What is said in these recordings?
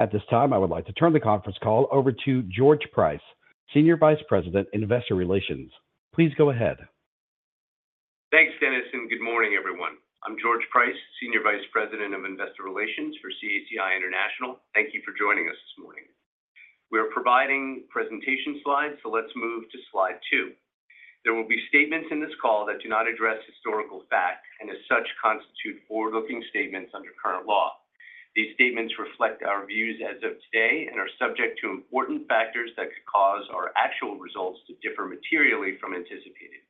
At this time, I would like to turn the conference call over to George Price, Senior Vice President, Investor Relations. Please go ahead. Thanks, Dennis, and good morning, everyone. I'm George Price, Senior Vice President of Investor Relations for CACI International. Thank you for joining us this morning. We are providing presentation slides, so let's move to Slide 2. There will be statements in this call that do not address historical fact and, as such, constitute forward-looking statements under current law. These statements reflect our views as of today and are subject to important factors that could cause our actual results to differ materially from anticipated.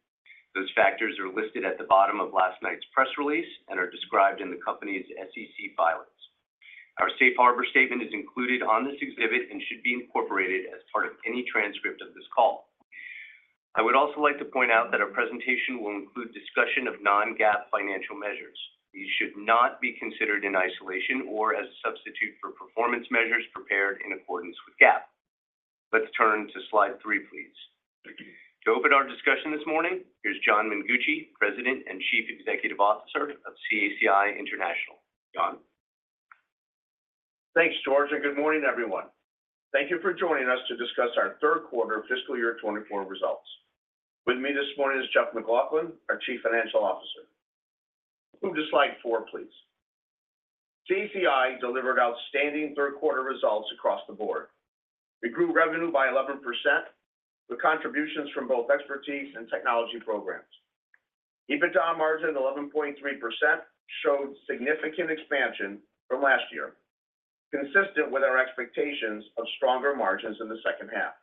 Those factors are listed at the bottom of last night's press release and are described in the company's SEC filings. Our safe harbor statement is included on this exhibit and should be incorporated as part of any transcript of this call. I would also like to point out that our presentation will include discussion of non-GAAP financial measures. These should not be considered in isolation or as a substitute for performance measures prepared in accordance with GAAP. Let's turn to Slide 3, please. To open our discussion this morning, here's John Mengucci, President and Chief Executive Officer of CACI International. John? Thanks, George, and good morning, everyone. Thank you for joining us to discuss our third quarter fiscal year 2024 results. With me this morning is Jeff MacLauchlan, our Chief Financial Officer. Move to Slide 4, please. CACI delivered outstanding third quarter results across the board. We grew revenue by 11% with contributions from both expertise and technology programs. EBITDA margin of 11.3% showed significant expansion from last year, consistent with our expectations of stronger margins in the second half,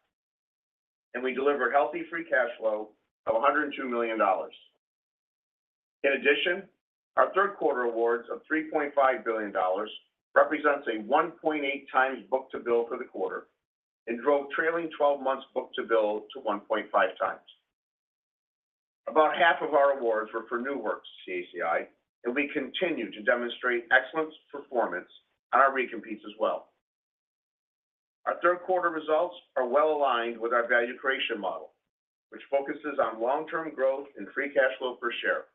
and we delivered healthy free cash flow of $102 million. In addition, our third quarter awards of $3.5 billion represents a 1.8x book-to-bill for the quarter and drove trailing 12 months book-to-bill to 1.5x. About half of our awards were for new work to CACI, and we continue to demonstrate excellent performance on our recompetes as well. Our third quarter results are well aligned with our value creation model, which focuses on long-term growth and free cash flow per share.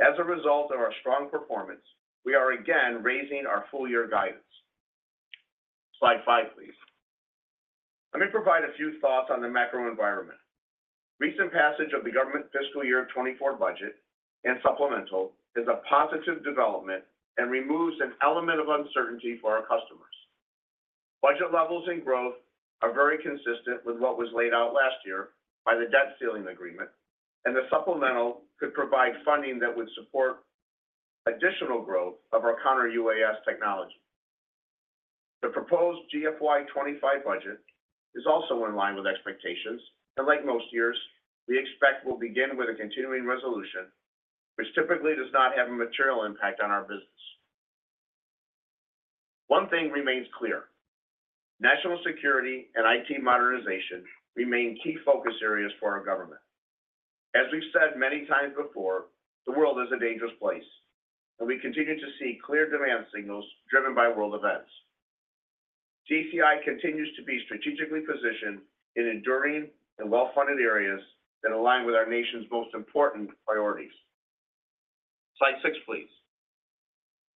As a result of our strong performance, we are again raising our full-year guidance. Slide 5, please. Let me provide a few thoughts on the macro environment. Recent passage of the government fiscal year 2024 budget and supplemental is a positive development and removes an element of uncertainty for our customers. Budget levels and growth are very consistent with what was laid out last year by the debt ceiling agreement, and the supplemental could provide funding that would support additional growth of our Counter-UAS technology. The proposed GFY 2025 budget is also in line with expectations, and like most years, we expect we'll begin with a continuing resolution, which typically does not have a material impact on our business. One thing remains clear: national security and IT modernization remain key focus areas for our government. As we've said many times before, the world is a dangerous place, and we continue to see clear demand signals driven by world events. CACI continues to be strategically positioned in enduring and well-funded areas that align with our nation's most important priorities. Slide 6, please.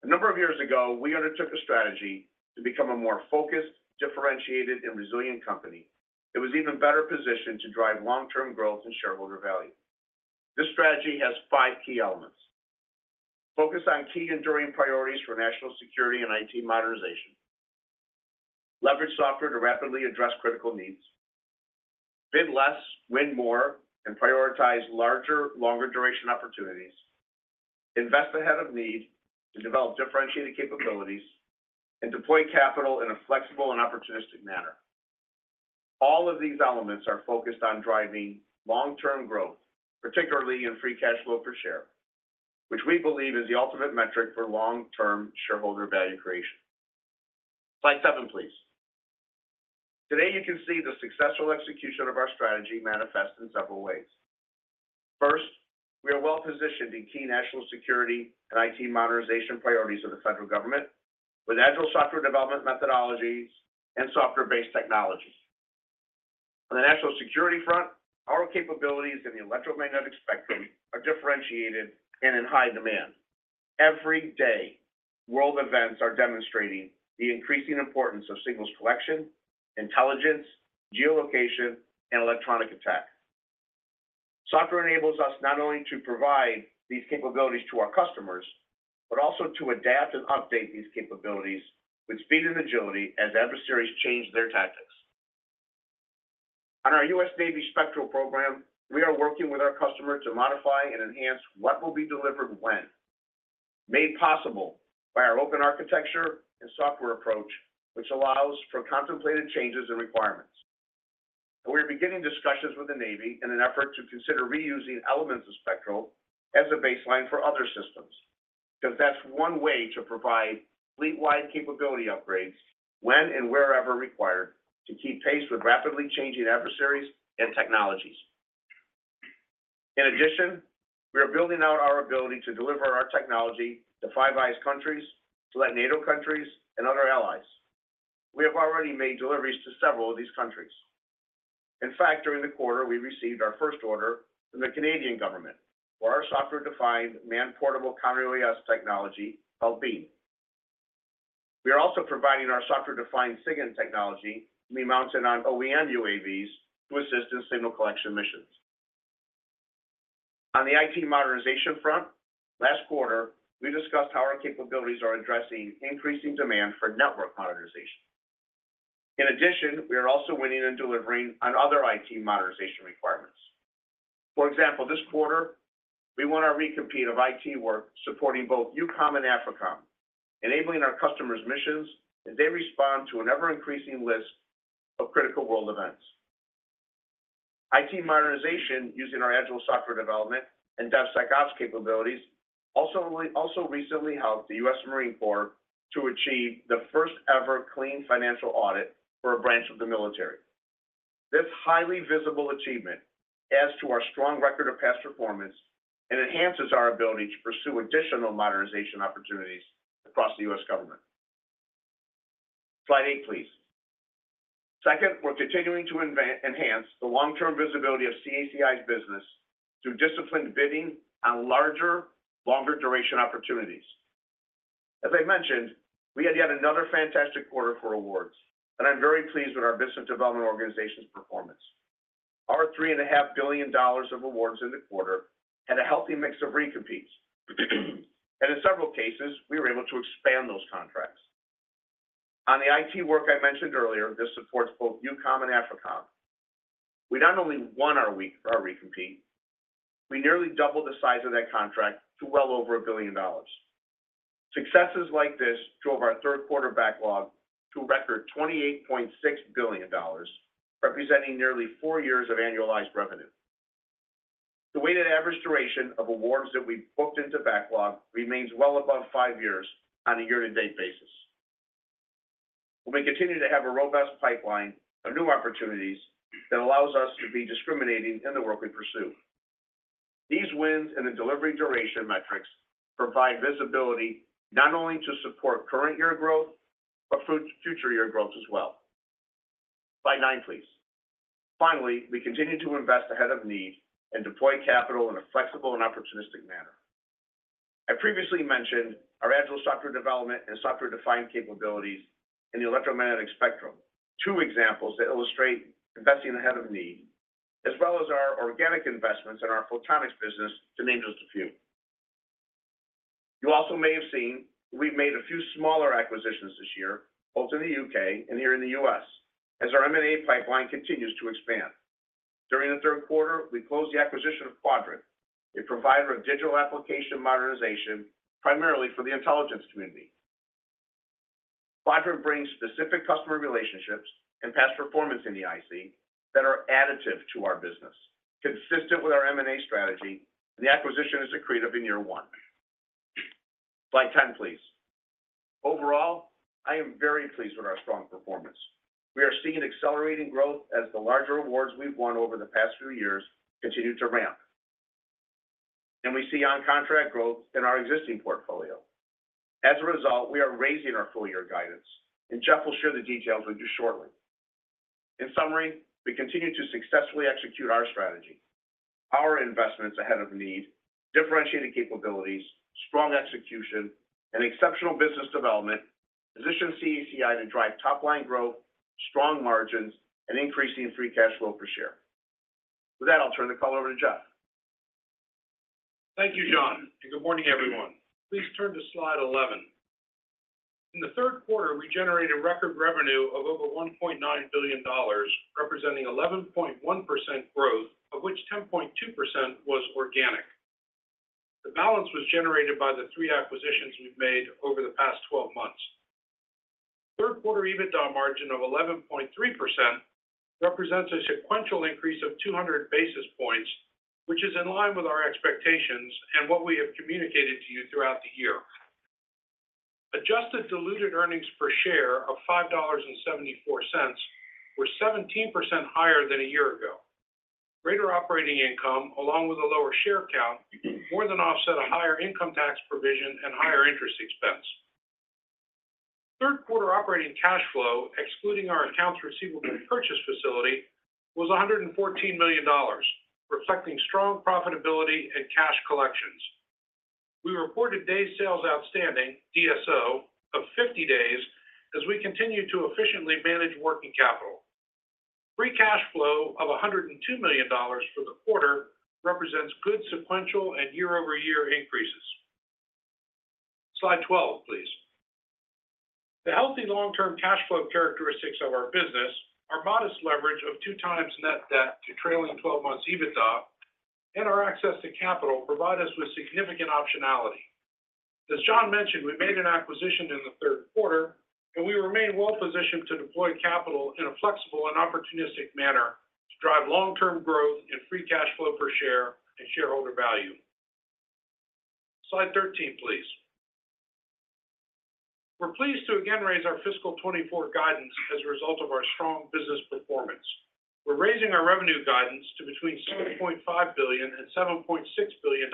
A number of years ago, we undertook a strategy to become a more focused, differentiated, and resilient company that was even better positioned to drive long-term growth and shareholder value. This strategy has five key elements: focus on key enduring priorities for national security and IT modernization, leverage software to rapidly address critical needs, bid less, win more, and prioritize larger, longer-duration opportunities, invest ahead of need to develop differentiated capabilities, and deploy capital in a flexible and opportunistic manner. All of these elements are focused on driving long-term growth, particularly in free cash flow per share, which we believe is the ultimate metric for long-term shareholder value creation. Slide 7, please. Today, you can see the successful execution of our strategy manifest in several ways. First, we are well-positioned in key national security and IT modernization priorities of the federal government with agile software development methodologies and software-based technologies. On the national security front, our capabilities in the electromagnetic spectrum are differentiated and in high demand. Every day, world events are demonstrating the increasing importance of signals collection, intelligence, geolocation, and electronic attack. Software enables us not only to provide these capabilities to our customers but also to adapt and update these capabilities with speed and agility as adversaries change their tactics. On our U.S. Navy Spectral program, we are working with our customer to modify and enhance what will be delivered when, made possible by our open architecture and software approach, which allows for contemplated changes and requirements. We are beginning discussions with the Navy in an effort to consider reusing elements of Spectral as a baseline for other systems because that's one way to provide fleet-wide capability upgrades when and wherever required to keep pace with rapidly changing adversaries and technologies. In addition, we are building out our ability to deliver our technology to Five Eyes countries, to allied NATO countries, and other allies. We have already made deliveries to several of these countries. In fact, during the quarter, we received our first order from the Canadian government for our software-defined man-portable Counter-UAS technology called BEAM. We are also providing our software-defined SIGINT technology to be mounted on OEM UAVs to assist in signal collection missions. On the IT modernization front, last quarter, we discussed how our capabilities are addressing increasing demand for network modernization. In addition, we are also winning and delivering on other IT modernization requirements. For example, this quarter, we won our recompete of IT work supporting both EUCOM and AFRICOM, enabling our customers' missions as they respond to an ever-increasing list of critical world events. IT modernization using our agile software development and DevSecOps capabilities also recently helped the U.S. Marine Corps to achieve the first-ever clean financial audit for a branch of the military. This highly visible achievement adds to our strong record of past performance and enhances our ability to pursue additional modernization opportunities across the U.S. government. Slide 8, please. Second, we're continuing to enhance the long-term visibility of CACI's business through disciplined bidding on larger, longer-duration opportunities. As I mentioned, we had yet another fantastic quarter for awards, and I'm very pleased with our business development organization's performance. Our $3.5 billion of awards in the quarter had a healthy mix of recompetes, and in several cases, we were able to expand those contracts. On the IT work I mentioned earlier, this supports both EUCOM and AFRICOM. We not only won our recompete, we nearly doubled the size of that contract to well over a billion dollars. Successes like this drove our third quarter backlog to record $28.6 billion, representing nearly four years of annualized revenue. The weighted average duration of awards that we've booked into backlog remains well above five years on a year-to-date basis. We continue to have a robust pipeline of new opportunities that allows us to be discriminating in the work we pursue. These wins in the delivery duration metrics provide visibility not only to support current-year growth but for future-year growth as well. Slide 9, please. Finally, we continue to invest ahead of need and deploy capital in a flexible and opportunistic manner. I previously mentioned our agile software development and software-defined capabilities in the electromagnetic spectrum, two examples that illustrate investing ahead of need, as well as our organic investments in our photonics business, to name just a few. You also may have seen we've made a few smaller acquisitions this year, both in the UK and here in the US, as our M&A pipeline continues to expand. During the third quarter, we closed the acquisition of Quadrint, a provider of digital application modernization primarily for the intelligence community. Quadrint brings specific customer relationships and past performance in the IC that are additive to our business, consistent with our M&A strategy, and the acquisition is accretive in year one. Slide 10, please. Overall, I am very pleased with our strong performance. We are seeing accelerating growth as the larger awards we've won over the past few years continue to ramp, and we see on-contract growth in our existing portfolio. As a result, we are raising our full-year guidance, and Jeff will share the details with you shortly. In summary, we continue to successfully execute our strategy. Our investments ahead of need, differentiated capabilities, strong execution, and exceptional business development position CACI to drive top-line growth, strong margins, and increasing free cash flow per share. With that, I'll turn the call over to Jeff. Thank you, John, and good morning, everyone. Please turn to Slide 11. In the third quarter, we generated record revenue of over $1.9 billion, representing 11.1% growth, of which 10.2% was organic. The balance was generated by the three acquisitions we've made over the past 12 months. Third-quarter EBITDA margin of 11.3% represents a sequential increase of 200 basis points, which is in line with our expectations and what we have communicated to you throughout the year. Adjusted diluted earnings per share of $5.74 were 17% higher than a year ago. Greater operating income, along with a lower share count, more than offset a higher income tax provision and higher interest expense. Third-quarter operating cash flow, excluding our accounts receivable purchase facility, was $114 million, reflecting strong profitability and cash collections. We reported day sales outstanding, DSO, of 50 days as we continue to efficiently manage working capital. Free cash flow of $102 million for the quarter represents good sequential and year-over-year increases. Slide 12, please. The healthy long-term cash flow characteristics of our business, our modest leverage of 2x net debt to trailing 12 months EBITDA, and our access to capital provide us with significant optionality. As John mentioned, we made an acquisition in the third quarter, and we remain well-positioned to deploy capital in a flexible and opportunistic manner to drive long-term growth in free cash flow per share and shareholder value. Slide 13, please. We're pleased to again raise our fiscal 2024 guidance as a result of our strong business performance. We're raising our revenue guidance to between $6.5 billion and $7.6 billion.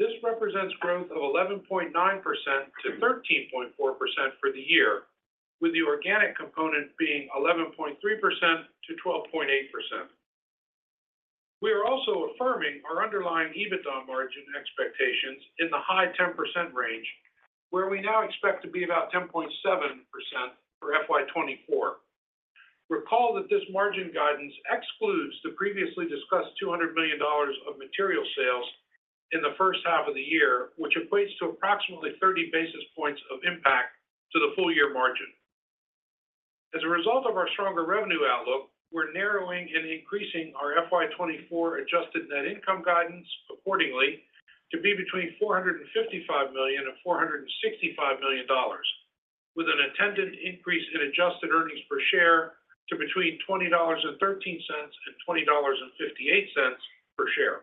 This represents growth of 11.9%-13.4% for the year, with the organic component being 11.3%-12.8%. We are also affirming our underlying EBITDA margin expectations in the high 10% range, where we now expect to be about 10.7% for FY 2024. Recall that this margin guidance excludes the previously discussed $200 million of material sales in the first half of the year, which equates to approximately 30 basis points of impact to the full-year margin. As a result of our stronger revenue outlook, we're narrowing and increasing our FY 2024 adjusted net income guidance accordingly to be between $455 million and $465 million, with an attendant increase in adjusted earnings per share to between $20.13 and $20.58 per share.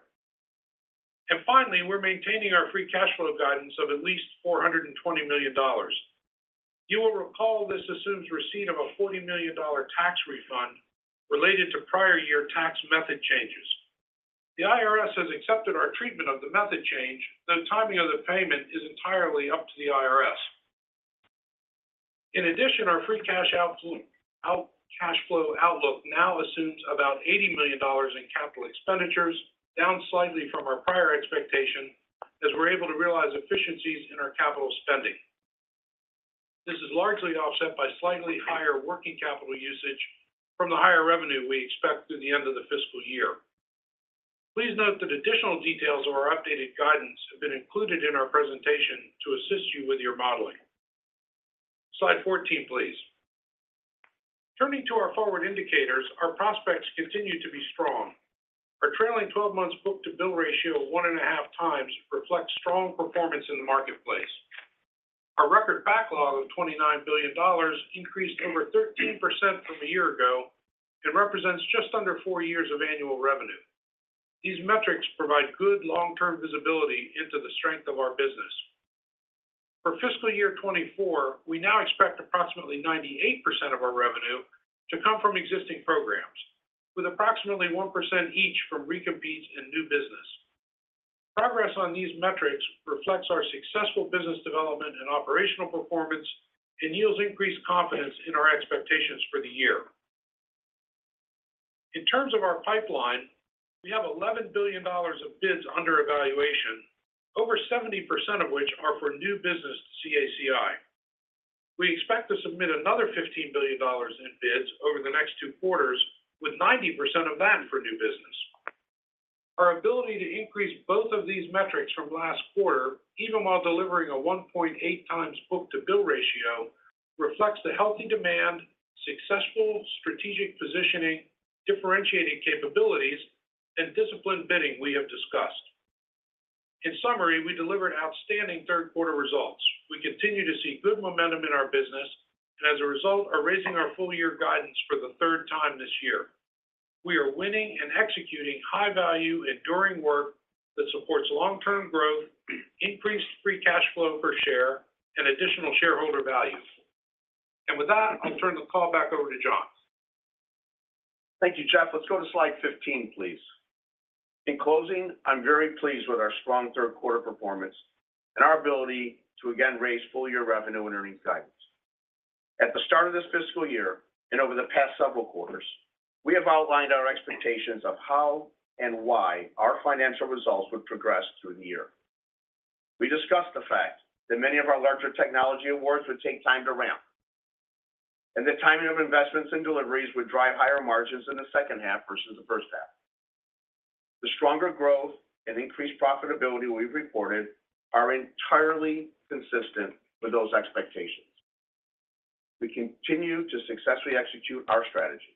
And finally, we're maintaining our free cash flow guidance of at least $420 million. You will recall this assumes receipt of a $40 million tax refund related to prior-year tax method changes. The IRS has accepted our treatment of the method change, though timing of the payment is entirely up to the IRS. In addition, our free cash flow outlook now assumes about $80 million in capital expenditures, down slightly from our prior expectation as we're able to realize efficiencies in our capital spending. This is largely offset by slightly higher working capital usage from the higher revenue we expect through the end of the fiscal year. Please note that additional details of our updated guidance have been included in our presentation to assist you with your modeling. Slide 14, please. Turning to our forward indicators, our prospects continue to be strong. Our trailing 12 months Book-to-Bill Ratio 1.5x reflects strong performance in the marketplace. Our record backlog of $29 billion increased over 13% from a year ago and represents just under four years of annual revenue. These metrics provide good long-term visibility into the strength of our business. For fiscal year 2024, we now expect approximately 98% of our revenue to come from existing programs, with approximately 1% each from recompetes and new business. Progress on these metrics reflects our successful business development and operational performance and yields increased confidence in our expectations for the year. In terms of our pipeline, we have $11 billion of bids under evaluation, over 70% of which are for new business to CACI. We expect to submit another $15 billion in bids over the next two quarters, with 90% of that for new business. Our ability to increase both of these metrics from last quarter, even while delivering a 1.8x book-to-bill ratio, reflects the healthy demand, successful strategic positioning, differentiated capabilities, and disciplined bidding we have discussed. In summary, we delivered outstanding third-quarter results. We continue to see good momentum in our business and, as a result, are raising our full-year guidance for the third time this year. We are winning and executing high-value, enduring work that supports long-term growth, increased free cash flow per share, and additional shareholder value. With that, I'll turn the call back over to John. Thank you, Jeff. Let's go to Slide 15, please. In closing, I'm very pleased with our strong third-quarter performance and our ability to again raise full-year revenue and earnings guidance. At the start of this fiscal year and over the past several quarters, we have outlined our expectations of how and why our financial results would progress through the year. We discussed the fact that many of our larger technology awards would take time to ramp and that timing of investments and deliveries would drive higher margins in the second half versus the first half. The stronger growth and increased profitability we've reported are entirely consistent with those expectations. We continue to successfully execute our strategy.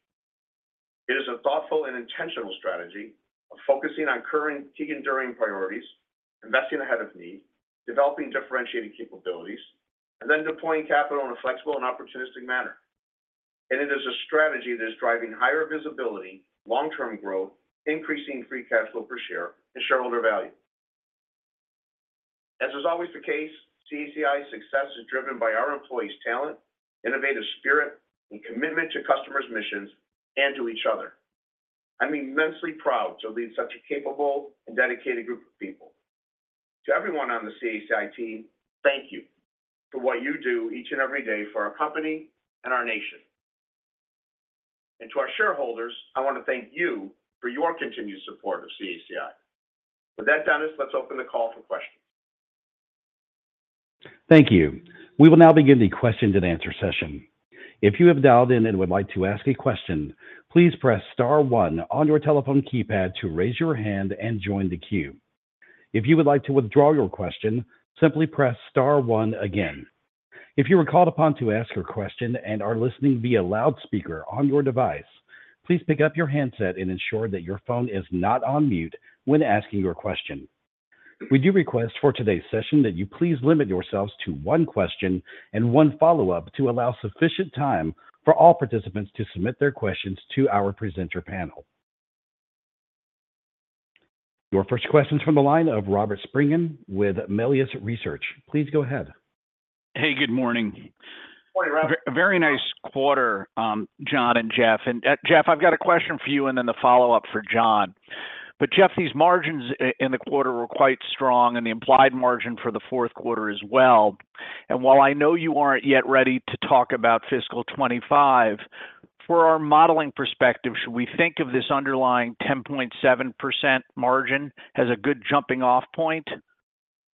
It is a thoughtful and intentional strategy of focusing on current key enduring priorities, investing ahead of need, developing differentiated capabilities, and then deploying capital in a flexible and opportunistic manner. It is a strategy that is driving higher visibility, long-term growth, increasing free cash flow per share, and shareholder value. As is always the case, CACI's success is driven by our employees' talent, innovative spirit, and commitment to customers' missions and to each other. I'm immensely proud to lead such a capable and dedicated group of people. To everyone on the CACI team, thank you for what you do each and every day for our company and our nation. To our shareholders, I want to thank you for your continued support of CACI. With that done, let's open the call for questions. Thank you. We will now begin the question-and-answer session. If you have dialed in and would like to ask a question, please press star one on your telephone keypad to raise your hand and join the queue. If you would like to withdraw your question, simply press star one again. If you are called upon to ask your question and are listening via loudspeaker on your device, please pick up your handset and ensure that your phone is not on mute when asking your question. We do request for today's session that you please limit yourselves to one question and one follow-up to allow sufficient time for all participants to submit their questions to our presenter panel. Your first question is from the line of Robert Spingarn with Melius Research. Please go ahead. Hey, good morning. Morning, Robert. Very nice quarter, John and Jeff. Jeff, I've got a question for you and then the follow-up for John. Jeff, these margins in the quarter were quite strong and the implied margin for the fourth quarter as well. While I know you aren't yet ready to talk about fiscal 2025, for our modeling perspective, should we think of this underlying 10.7% margin as a good jumping-off point,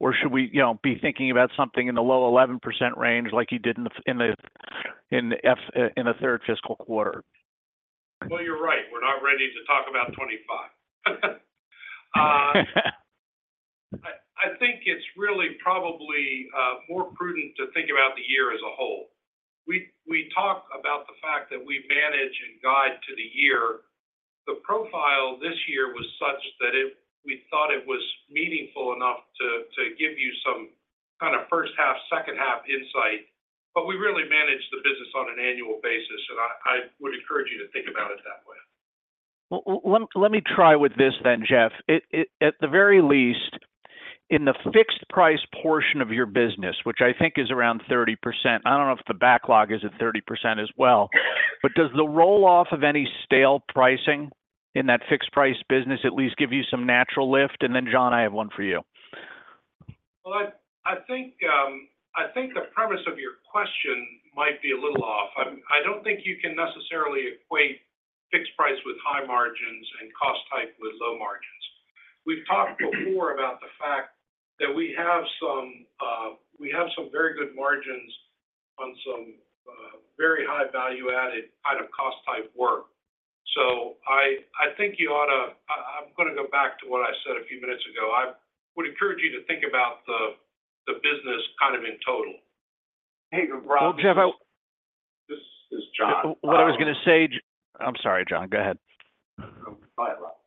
or should we be thinking about something in the low 11% range like you did in the third fiscal quarter? Well, you're right. We're not ready to talk about 2025. I think it's really probably more prudent to think about the year as a whole. We talk about the fact that we manage and guide to the year. The profile this year was such that we thought it was meaningful enough to give you some kind of first-half, second-half insight, but we really manage the business on an annual basis, and I would encourage you to think about it that way. Let me try with this then, Jeff. At the very least, in the fixed-price portion of your business, which I think is around 30%, I don't know if the backlog is at 30% as well, but does the roll-off of any stale pricing in that fixed-price business at least give you some natural lift? And then, John, I have one for you. Well, I think the premise of your question might be a little off. I don't think you can necessarily equate fixed price with high margins and cost type with low margins. We've talked before about the fact that we have some very good margins on some very high-value-added kind of cost type work. So I think I'm going to go back to what I said a few minutes ago. I would encourage you to think about the business kind of in total. Hey, Robert. Well, Jeff, I— This is John. What I was going to say, I'm sorry, John. Go ahead. Go ahead, Robert.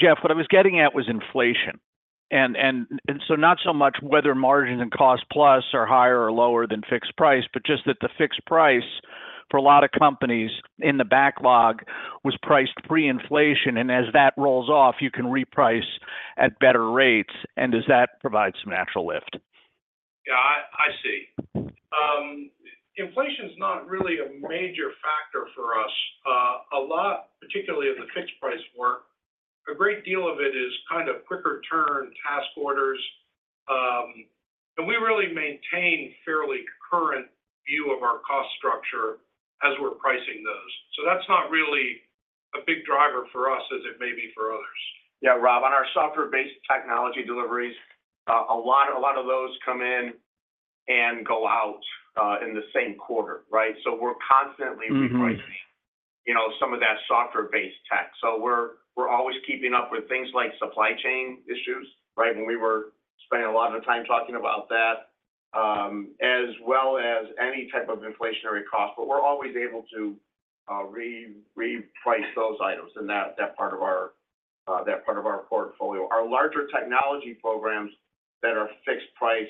Jeff, what I was getting at was inflation. So not so much whether margins and cost plus are higher or lower than fixed price, but just that the fixed price, for a lot of companies in the backlog, was priced pre-inflation, and as that rolls off, you can reprice at better rates, and does that provide some natural lift? Yeah, I see. Inflation's not really a major factor for us. A lot, particularly of the fixed-price work, a great deal of it is kind of quicker-turn task orders. And we really maintain fairly current view of our cost structure as we're pricing those. So that's not really a big driver for us as it may be for others. Yeah, Rob, on our software-based technology deliveries, a lot of those come in and go out in the same quarter, right? So we're constantly repricing some of that software-based tech. So we're always keeping up with things like supply chain issues, right? And we were spending a lot of time talking about that, as well as any type of inflationary cost, but we're always able to reprice those items in that part of our that part of our portfolio. Our larger technology programs that are fixed-price,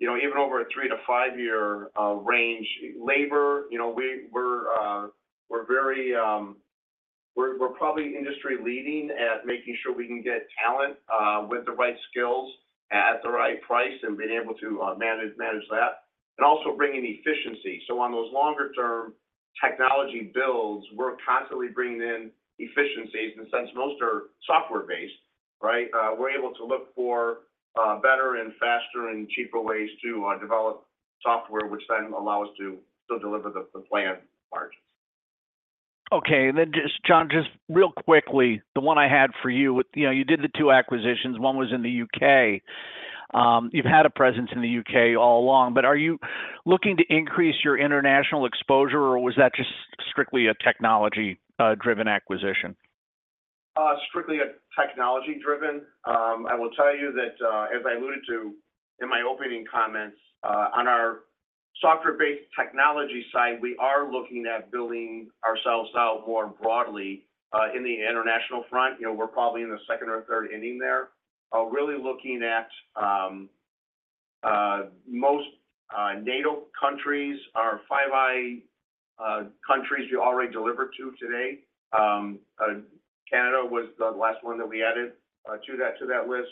even over a 3-5-year range, labor, we're very—we're probably industry-leading at making sure we can get talent with the right skills at the right price and being able to manage that, and also bringing efficiency. So on those longer-term technology builds, we're constantly bringing in efficiencies, in the sense most are software-based, right? We're able to look for better and faster and cheaper ways to develop software, which then allow us to still deliver the planned margins. Okay. And then, John, just real quickly, the one I had for you, you did the two acquisitions. One was in the UK. You've had a presence in the UK all along, but are you looking to increase your international exposure, or was that just strictly a technology-driven acquisition? Strictly a technology-driven. I will tell you that, as I alluded to in my opening comments, on our software-based technology side, we are looking at building ourselves out more broadly in the international front. We're probably in the second or third inning there, really looking at most NATO countries, our Five Eyes countries we already delivered to today. Canada was the last one that we added to that list.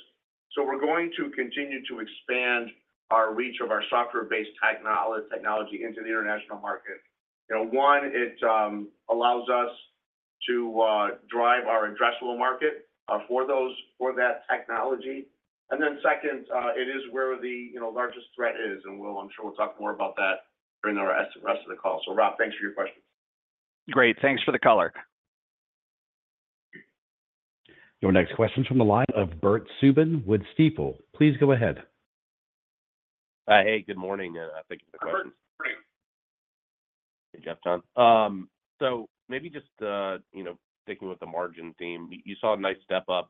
So we're going to continue to expand our reach of our software-based technology into the international market. One, it allows us to drive our addressable market for that technology. And then second, it is where the largest threat is, and I'm sure we'll talk more about that during the rest of the call. So, Rob, thanks for your questions. Great. Thanks for the color. Your next question is from the line of Bert Subin with Stifel. Please go ahead. Hey, good morning. I think you have a question. Good morning. Hey, Jeff, John. So maybe just sticking with the margin theme, you saw a nice step up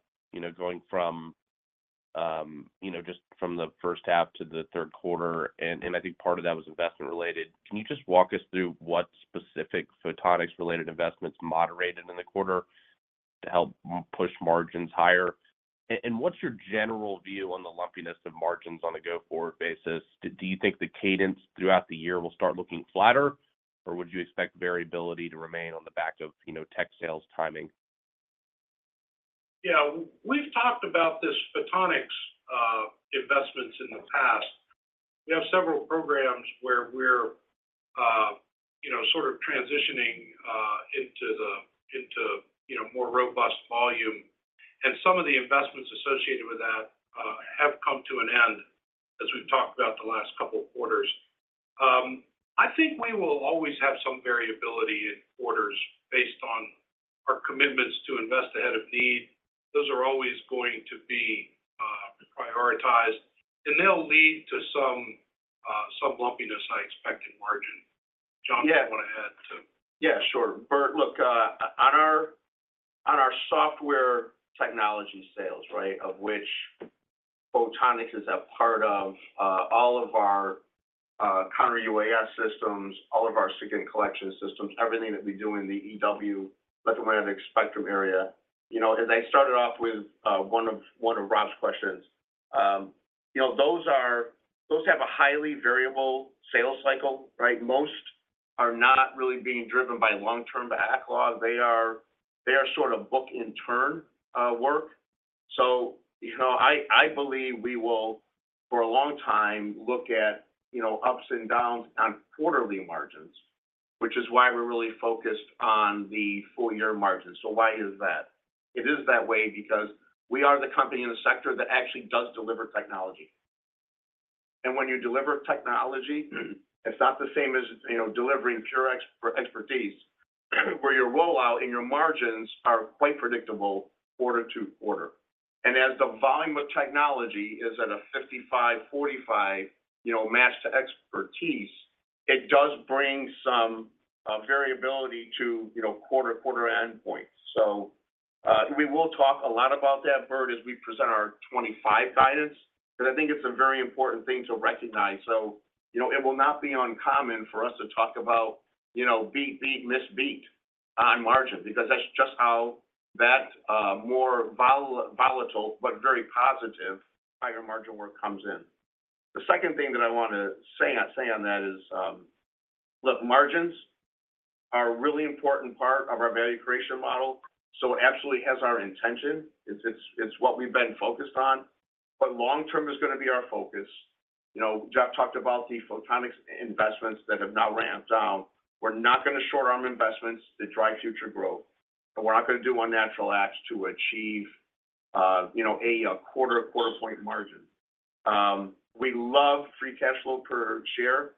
going from just from the first half to the third quarter, and I think part of that was investment-related. Can you just walk us through what specific photonics-related investments moderated in the quarter to help push margins higher? And what's your general view on the lumpiness of margins on a go-forward basis? Do you think the cadence throughout the year will start looking flatter, or would you expect variability to remain on the back of tech sales timing? Yeah, we've talked about this photonics investments in the past. We have several programs where we're sort of transitioning into more robust volume, and some of the investments associated with that have come to an end as we've talked about the last couple of quarters. I think we will always have some variability in quarters based on our commitments to invest ahead of need. Those are always going to be prioritized, and they'll lead to some lumpiness, I expect, in margin. John, do you want to add to? Yeah, sure. Bert, look, on our software technology sales, right, of which photonics is a part of all of our counter-UAS systems, all of our SIGINT collection systems, everything that we do in the EW, electromagnetic spectrum area, as I started off with one of Rob's questions, those have a highly variable sales cycle, right? Most are not really being driven by long-term backlog. They are sort of book-and-turn work. So I believe we will, for a long time, look at ups and downs on quarterly margins, which is why we're really focused on the full-year margins. So why is that? It is that way because we are the company in the sector that actually does deliver technology. And when you deliver technology, it's not the same as delivering pure expertise where your rollout and your margins are quite predictable quarter to quarter. As the volume of technology is at a 55-45 match to expertise, it does bring some variability to quarter-to-quarter endpoints. So we will talk a lot about that, Bert, as we present our 2025 guidance because I think it's a very important thing to recognize. So it will not be uncommon for us to talk about beat, beat, misbeat on margin because that's just how that more volatile but very positive higher-margin work comes in. The second thing that I want to say on that is, look, margins are a really important part of our value creation model. So it absolutely has our intention. It's what we've been focused on. But long-term is going to be our focus. Jeff talked about the photonics investments that have now ramped down. We're not going to short-arm investments that drive future growth, and we're not going to do unnatural acts to achieve a quarter-to-quarter point margin. We love free cash flow per share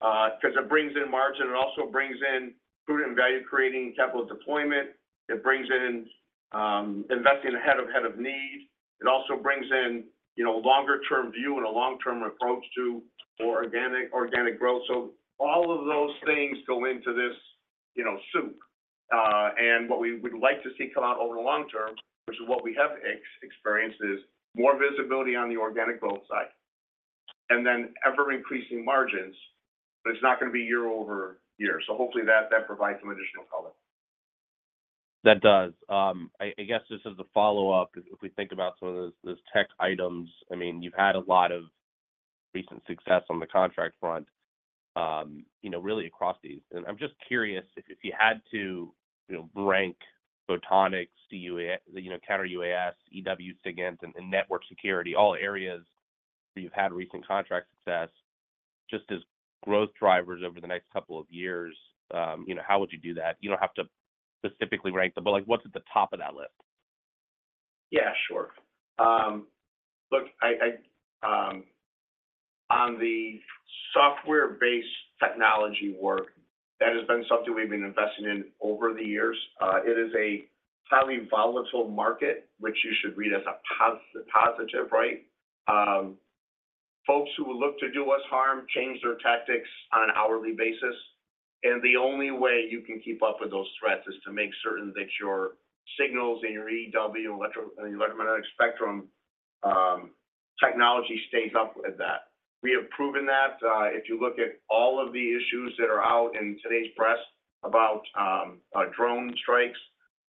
because it brings in margin. It also brings in prudent value creating capital deployment. It brings in investing ahead of need. It also brings in longer-term view and a long-term approach to more organic growth. So all of those things go into this soup. And what we would like to see come out over the long term, which is what we have experienced, is more visibility on the organic growth side and then ever-increasing margins, but it's not going to be year-over-year. So hopefully, that provides some additional color. That does. I guess just as a follow-up, if we think about some of those tech items, I mean, you've had a lot of recent success on the contract front, really across these. I'm just curious if you had to rank photonics, C-UAS, Counter-UAS, EW, SIGINT, and network security, all areas where you've had recent contract success, just as growth drivers over the next couple of years, how would you do that? You don't have to specifically rank them, but what's at the top of that list? Yeah, sure. Look, on the software-based technology work, that has been something we've been investing in over the years. It is a highly volatile market, which you should read as a positive, right? Folks who look to do us harm change their tactics on an hourly basis. And the only way you can keep up with those threats is to make certain that your signals in your EW and electromagnetic spectrum technology stays up with that. We have proven that. If you look at all of the issues that are out in today's press about drone strikes,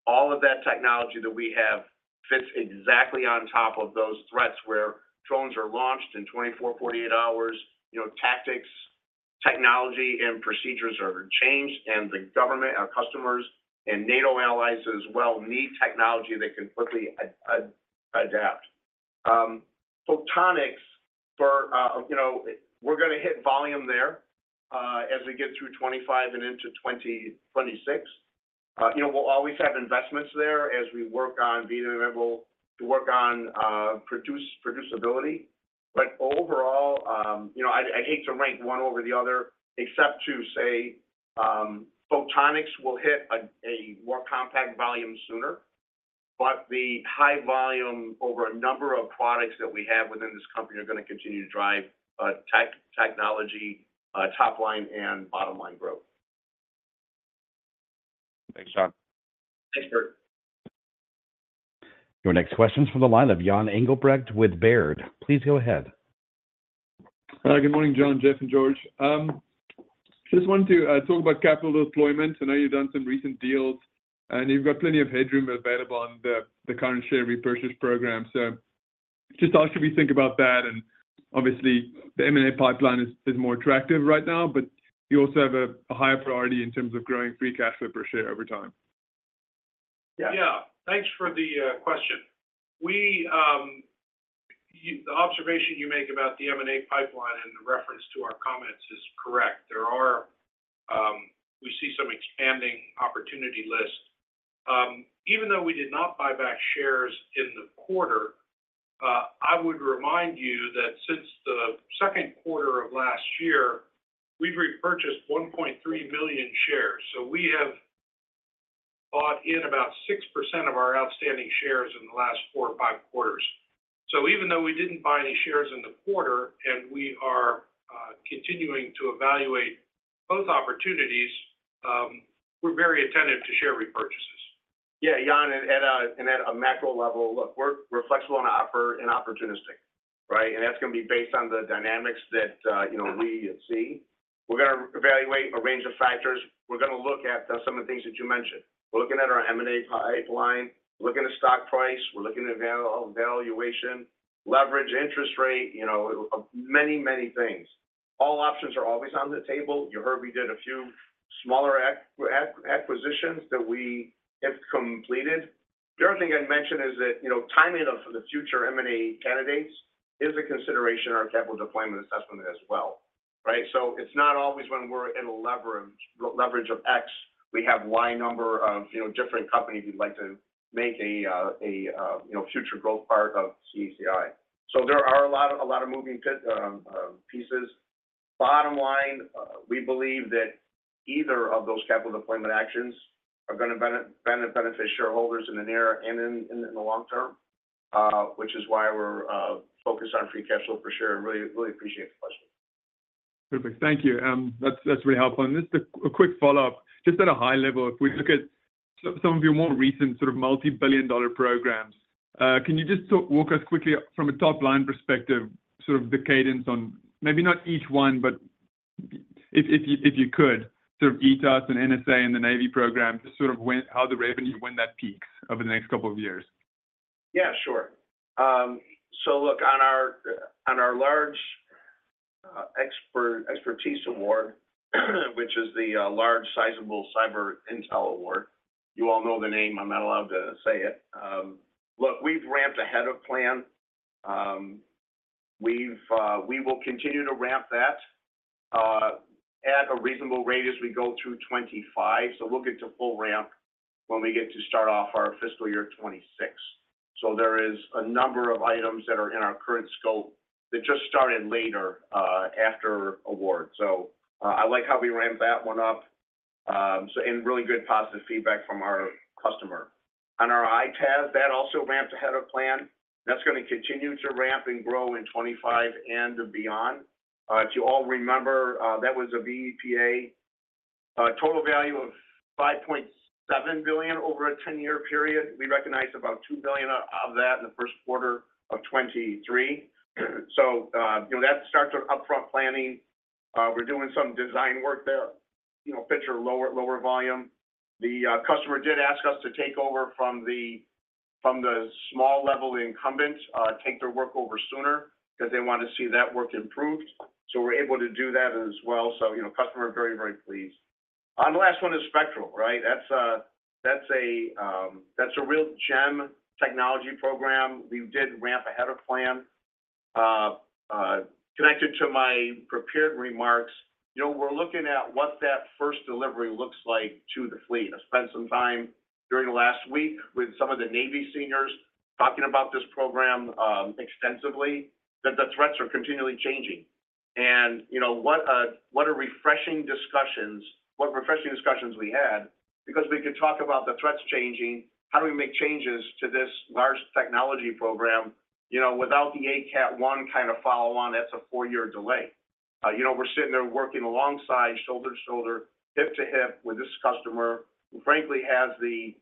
all of that technology that we have fits exactly on top of those threats where drones are launched in 24, 48 hours. Tactics, technology, and procedures are changed, and the government, our customers, and NATO allies as well need technology that can quickly adapt. Photonics, we're going to hit volume there as we get through 2025 and into 2026. We'll always have investments there as we work on being able to work on producibility. But overall, I'd hate to rank one over the other, except to say photonics will hit a more compact volume sooner. But the high volume over a number of products that we have within this company are going to continue to drive technology topline and bottomline growth. Thanks, John. Thanks, Bert. Your next question is from the line of Jan Engelbrecht with Baird. Please go ahead. Good morning, John, Jeff, and George. I just wanted to talk about capital deployment. I know you've done some recent deals, and you've got plenty of headroom available on the current share repurchase program. So just asked you to think about that. And obviously, the M&A pipeline is more attractive right now, but you also have a higher priority in terms of growing free cash flow per share over time. Yeah, thanks for the question. The observation you make about the M&A pipeline and the reference to our comments is correct. We see some expanding opportunity list. Even though we did not buy back shares in the quarter, I would remind you that since the second quarter of last year, we've repurchased 1.3 million shares. So we have bought in about 6% of our outstanding shares in the last 4 or 5 quarters. So even though we didn't buy any shares in the quarter and we are continuing to evaluate both opportunities, we're very attentive to share repurchases. Yeah, Jan, and at a macro level, look, we're flexible and opportunistic, right? That's going to be based on the dynamics that we see. We're going to evaluate a range of factors. We're going to look at some of the things that you mentioned. We're looking at our M&A pipeline. We're looking at stock price. We're looking at valuation, leverage, interest rate, many, many things. All options are always on the table. You heard we did a few smaller acquisitions that we have completed. The other thing I'd mention is that timing of the future M&A candidates is a consideration in our capital deployment assessment as well, right? It's not always when we're at a leverage of X, we have Y number of different companies we'd like to make a future growth part of CACI. There are a lot of moving pieces. Bottom line, we believe that either of those capital deployment actions are going to benefit shareholders in the near and in the long term, which is why we're focused on free cash flow per share. I really, really appreciate the question. Perfect. Thank you. That's really helpful. Just a quick follow-up, just at a high level, if we look at some of your more recent sort of multi-billion-dollar programs, can you just walk us quickly from a top-line perspective, sort of the cadence on maybe not each one, but if you could, sort of EITaaS and NSA and the Navy program, just sort of how the revenue when that peaks over the next couple of years? Yeah, sure. So look, on our large expertise award, which is the Large Sizable Cyber Intel Award, you all know the name. I'm not allowed to say it. Look, we've ramped ahead of plan. We will continue to ramp that at a reasonable rate as we go through 2025. So we'll get to full ramp when we get to start off our fiscal year 2026. So there is a number of items that are in our current scope that just started later after award. So I like how we ramped that one up and really good positive feedback from our customer. On our EITaaS, that also ramped ahead of plan. That's going to continue to ramp and grow in 2025 and beyond. If you all remember, that was a BPA, total value of $5.7 billion over a 10-year period. We recognize about $2 billion of that in the first quarter of 2023. So that starts an upfront planning. We're doing some design work there, pitch a lower volume. The customer did ask us to take over from the small-level incumbent, take their work over sooner because they want to see that work improved. So we're able to do that as well. So customer very, very pleased. On the last one is Spectral, right? That's a real gem technology program. We did ramp ahead of plan. Connected to my prepared remarks, we're looking at what that first delivery looks like to the fleet. I spent some time during the last week with some of the Navy seniors talking about this program extensively that the threats are continually changing. And what are refreshing discussions we had because we could talk about the threats changing? How do we make changes to this large technology program without the ACAT I kind of follow-on? That's a four-year delay. We're sitting there working alongside, shoulder to shoulder, hip to hip with this customer who, frankly, has the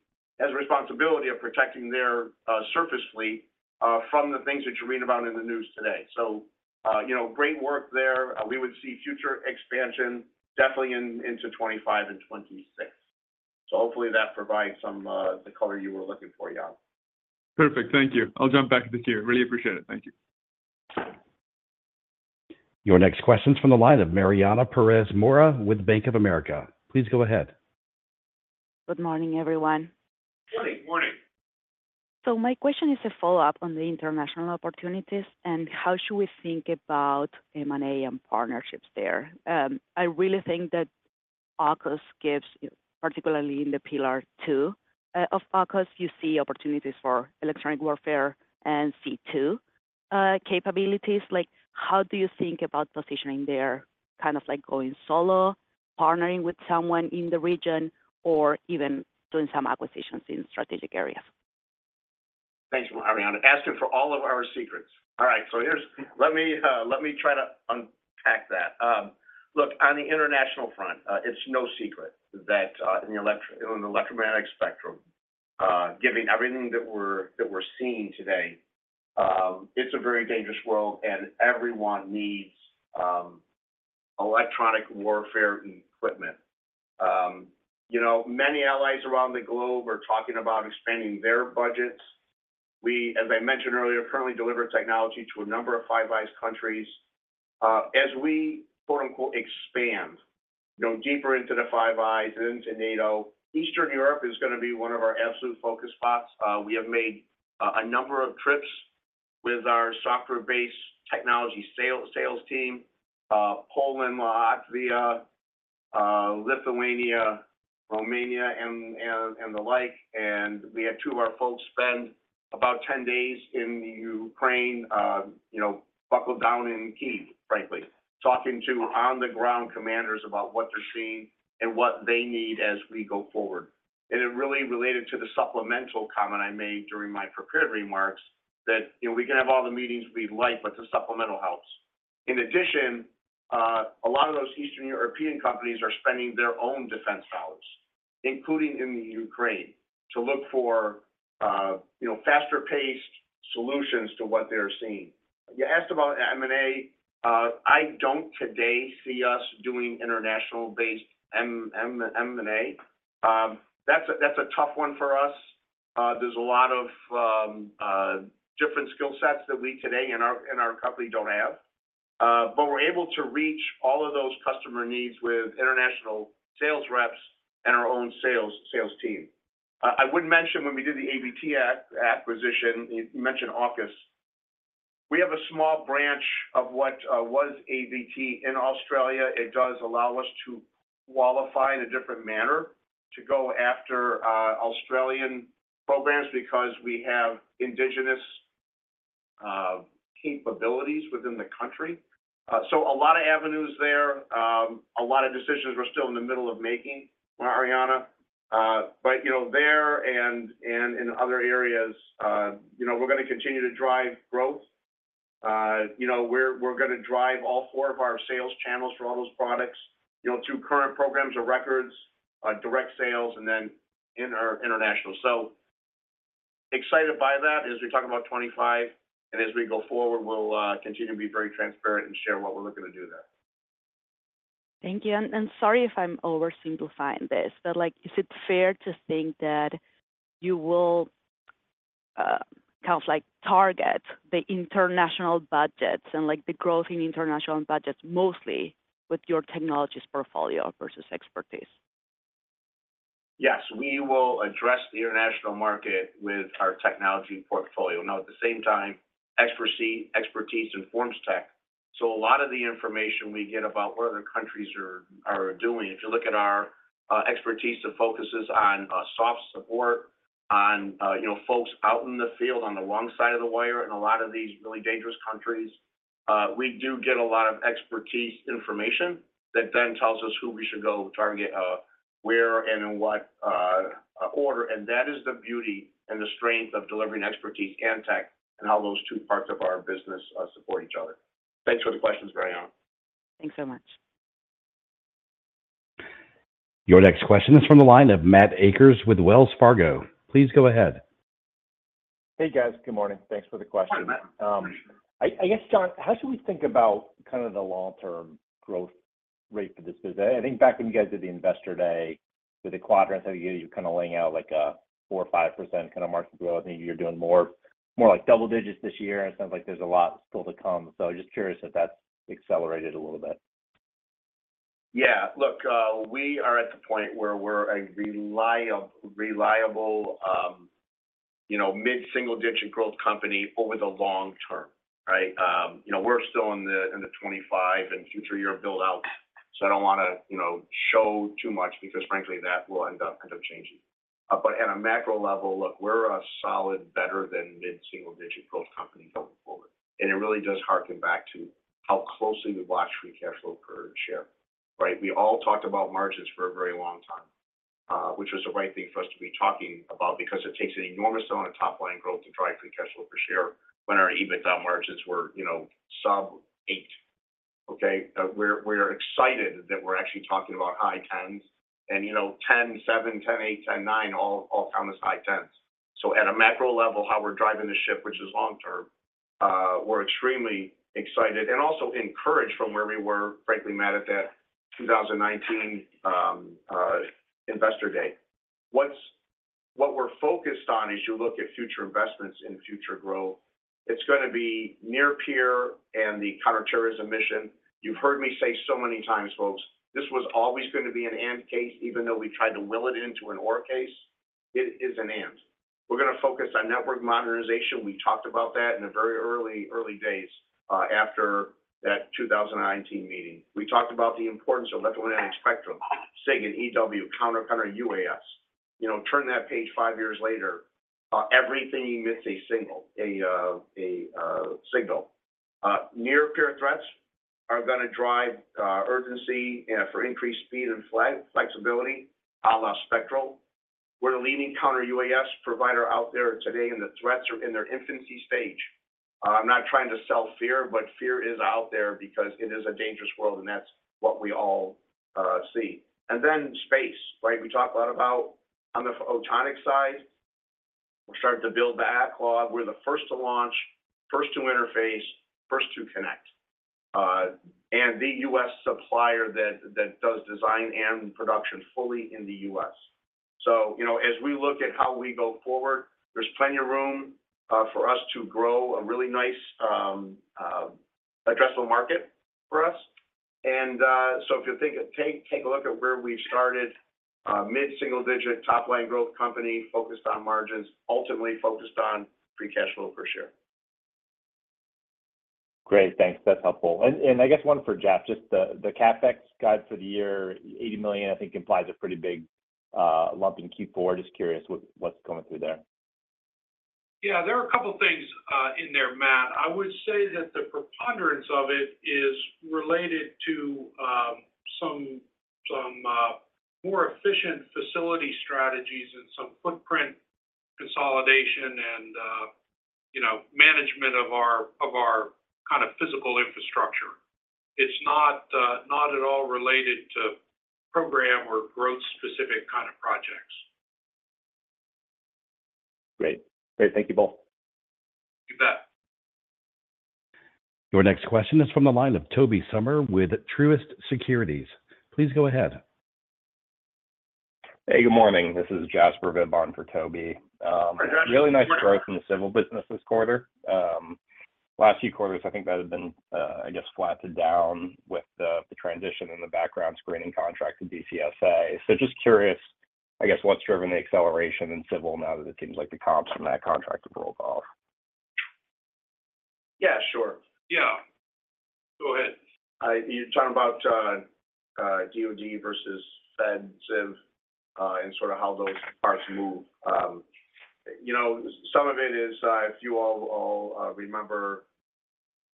responsibility of protecting their surface fleet from the things that you're reading about in the news today. So great work there. We would see future expansion, definitely into 2025 and 2026. So hopefully, that provides some of the color you were looking for, Jan. Perfect. Thank you. I'll jump back into here. Really appreciate it. Thank you. Your next question is from the line of Mariana Pérez Mora with Bank of America. Please go ahead. Good morning, everyone. Good morning. So my question is a follow-up on the international opportunities and how should we think about M&A and partnerships there? I really think that AUKUS gives, particularly in the Pillar 2 of AUKUS, you see opportunities for electronic warfare and C2 capabilities. How do you think about positioning there, kind of like going solo, partnering with someone in the region, or even doing some acquisitions in strategic areas? Thanks, Mariana. Asking for all of our secrets. All right. So let me try to unpack that. Look, on the international front, it's no secret that in the electromagnetic spectrum, given everything that we're seeing today, it's a very dangerous world, and everyone needs electronic warfare equipment. Many allies around the globe are talking about expanding their budgets. We, as I mentioned earlier, currently deliver technology to a number of Five Eyes countries. As we "expand" deeper into the Five Eyes and into NATO, Eastern Europe is going to be one of our absolute focus spots. We have made a number of trips with our software-based technology sales team: Poland, Latvia, Lithuania, Romania, and the like. And we had two of our folks spend about 10 days in Ukraine, buckled down in Kyiv, frankly, talking to on-the-ground commanders about what they're seeing and what they need as we go forward. It really related to the supplemental comment I made during my prepared remarks that we can have all the meetings we'd like, but the supplemental helps. In addition, a lot of those Eastern European companies are spending their own defense dollars, including in Ukraine, to look for faster-paced solutions to what they are seeing. You asked about M&A. I don't today see us doing international-based M&A. That's a tough one for us. There's a lot of different skill sets that we today in our company don't have. But we're able to reach all of those customer needs with international sales reps and our own sales team. I wouldn't mention when we did the AVT acquisition, you mentioned AUKUS. We have a small branch of what was AVT in Australia. It does allow us to qualify in a different manner to go after Australian programs because we have indigenous capabilities within the country. So a lot of avenues there. A lot of decisions we're still in the middle of making, Mariana. But there and in other areas, we're going to continue to drive growth. We're going to drive all four of our sales channels for all those products through current programs or records, direct sales, and then international. So excited by that as we talk about 2025, and as we go forward, we'll continue to be very transparent and share what we're looking to do there. Thank you. Sorry if I'm oversimplifying this, but is it fair to think that you will kind of target the international budgets and the growth in international budgets mostly with your technologies portfolio versus expertise? Yes. We will address the international market with our technology portfolio. Now, at the same time, expertise informs tech. So a lot of the information we get about what other countries are doing, if you look at our expertise, it focuses on soft support, on folks out in the field on the wrong side of the wire in a lot of these really dangerous countries. We do get a lot of expertise information that then tells us who we should go target, where, and in what order. And that is the beauty and the strength of delivering expertise and tech and how those two parts of our business support each other. Thanks for the questions, Mariana. Thanks so much. Your next question is from the line of Matt Akers with Wells Fargo. Please go ahead. Hey, guys. Good morning. Thanks for the question. I guess, John, how should we think about kind of the long-term growth rate for this business? I think back when you guys did the Investor Day, with the quadrants, I think you were kind of laying out like a 4% or 5% kind of market growth. I think you were doing more like double digits this year, and it sounds like there's a lot still to come. So I'm just curious if that's accelerated a little bit. Yeah. Look, we are at the point where we're a reliable mid-single-digit growth company over the long term, right? We're still in the 2025 and future year build-out. So I don't want to show too much because, frankly, that will end up changing. But at a macro level, look, we're a solid better-than-mid-single-digit growth company going forward. And it really does hearken back to how closely we watch free cash flow per share, right? We all talked about margins for a very long time, which was the right thing for us to be talking about because it takes an enormous amount of top-line growth to drive free cash flow per share when our EBITDA margins were sub-8%, okay? We're excited that we're actually talking about high 10s%. And 10.7%, 10.8%, 10.9%, all count as high 10s%. So at a macro level, how we're driving the ship, which is long-term, we're extremely excited and also encouraged from where we were, frankly, Matt, at that 2019 Investor Day. What we're focused on as you look at future investments and future growth, it's going to be near peer and the counterterrorism mission. You've heard me say so many times, folks, this was always going to be an and case, even though we tried to will it into an or case. It is an and. We're going to focus on network modernization. We talked about that in the very early days after that 2019 meeting. We talked about the importance of electromagnetic spectrum, SIG and EW, counter-UAS. Turn that page five years later. Everything emits a signal. Near-peer threats are going to drive urgency for increased speed and flexibility, a la Spectral. We're the leading counter-UAS provider out there today, and the threats are in their infancy stage. I'm not trying to sell fear, but fear is out there because it is a dangerous world, and that's what we all see. And then space, right? We talk a lot about, on the photonic side, we're starting to build the O-Cloud. We're the first to launch, first to interface, first to connect, and the U.S. supplier that does design and production fully in the U.S. So as we look at how we go forward, there's plenty of room for us to grow a really nice addressable market for us. And so if you take a look at where we've started, mid-single-digit top-line growth company focused on margins, ultimately focused on free cash flow per share. Great. Thanks. That's helpful. And I guess one for Jeff, just the CapEx guide for the year, $80 million, I think implies a pretty big lump in Q4. Just curious what's going through there. Yeah. There are a couple of things in there, Matt. I would say that the preponderance of it is related to some more efficient facility strategies and some footprint consolidation and management of our kind of physical infrastructure. It's not at all related to program or growth-specific kind of projects. Great. Great. Thank you, both. You bet. Your next question is from the line of Tobey Sommer with Truist Securities. Please go ahead. Hey, good morning. This is Jasper Bibb for Tobey. Really nice growth in the civil business this quarter. Last few quarters, I think that had been, I guess, flattened down with the transition and the background screening contract to DCSA. So just curious, I guess, what's driven the acceleration in civil now that it seems like the comps from that contract have rolled off? Yeah, sure. Yeah. Go ahead. You're talking about DoD versus FedCiv and sort of how those parts move. Some of it is, if you all remember,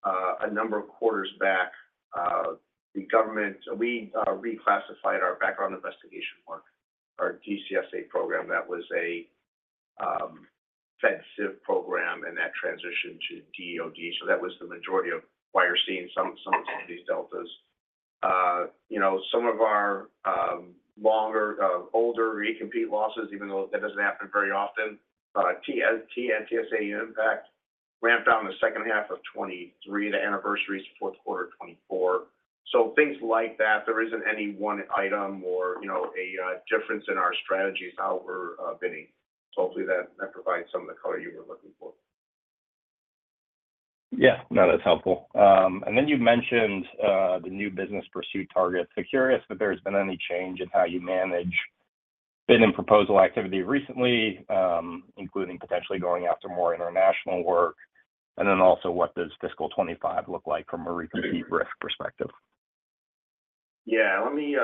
a number of quarters back, we reclassified our background investigation work, our DCSA program. That was a FedCiv program, and that transitioned to DoD. So that was the majority of why you're seeing some of these deltas. Some of our longer, older recompete losses, even though that doesn't happen very often, the TSA IMPACT ramped down the second half of 2023, the anniversary's fourth quarter of 2024. So things like that, there isn't any one item or a difference in our strategies, how we're bidding. So hopefully, that provides some of the color you were looking for. Yeah. No, that's helpful. And then you mentioned the new business pursuit target. So curious if there's been any change in how you manage bid and proposal activity recently, including potentially going after more international work, and then also what does fiscal 2025 look like from a recompete risk perspective? Yeah. Let me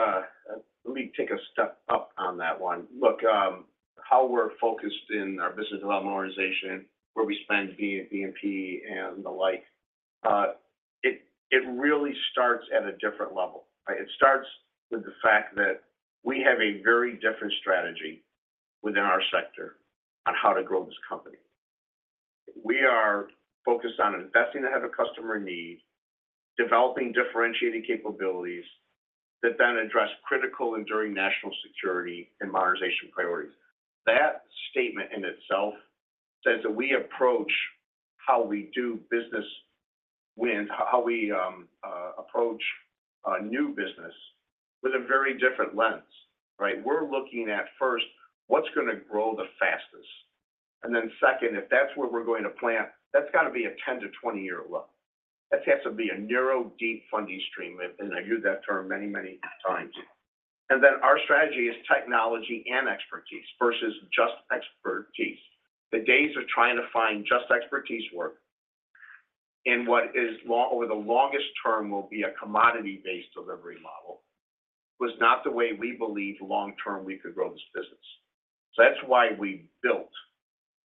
take a step up on that one. Look, how we're focused in our business development organization, where we spend B&P and the like, it really starts at a different level, right? It starts with the fact that we have a very different strategy within our sector on how to grow this company. We are focused on investing ahead of customer need, developing differentiated capabilities that then address critical enduring national security and modernization priorities. That statement in itself says that we approach how we do business when, how we approach new business with a very different lens, right? We're looking at first, what's going to grow the fastest? And then second, if that's where we're going to plant, that's got to be a 10-20-year look. That has to be a narrow, deep funding stream. And I've used that term many, many times. Our strategy is technology and expertise versus just expertise. The days of trying to find just expertise work in what is over the longest term will be a commodity-based delivery model was not the way we believe long-term we could grow this business. So that's why we built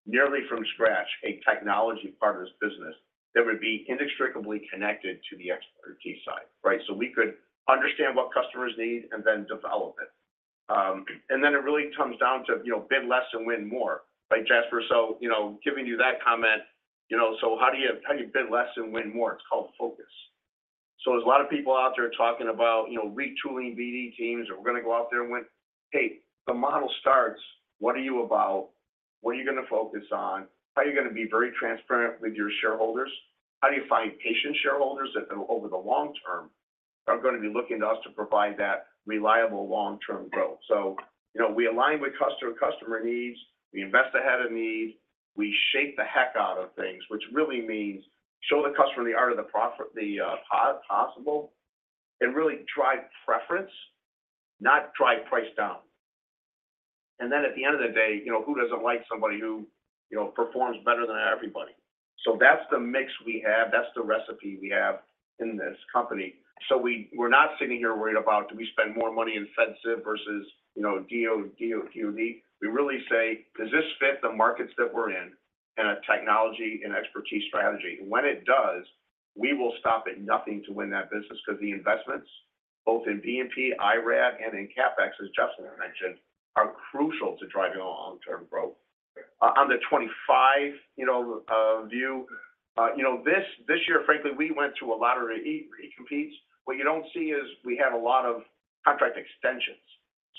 nearly from scratch a technology part of this business that would be inextricably connected to the expertise side, right? So we could understand what customers need and then develop it. And then it really comes down to bid less and win more, right, Jasper? So giving you that comment, so how do you bid less and win more? It's called focus. So there's a lot of people out there talking about retooling BD teams, or we're going to go out there and win, "Hey, the model starts. What are you about? What are you going to focus on? How are you going to be very transparent with your shareholders? How do you find patient shareholders that over the long term are going to be looking to us to provide that reliable long-term growth?" So we align with customer to customer needs. We invest ahead of need. We shake the heck out of things, which really means show the customer the art of the possible and really drive preference, not drive price down. And then at the end of the day, who doesn't like somebody who performs better than everybody? So that's the mix we have. That's the recipe we have in this company. So we're not sitting here worried about, "Do we spend more money in FedCiv versus DoD?" We really say, "Does this fit the markets that we're in and a technology and expertise strategy?" And when it does, we will stop at nothing to win that business because the investments, both in BD, IRAD, and in CapEx, as Jeff mentioned, are crucial to driving long-term growth. On the 2025 view, this year, frankly, we went through a lot of recompetes. What you don't see is we have a lot of contract extensions.